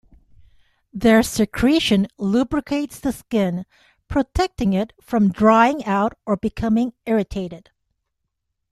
Their secretion lubricates the skin, protecting it from drying out or becoming irritated.